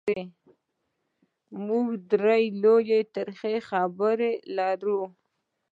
موږ درې لویې ترخې خبرې لرو: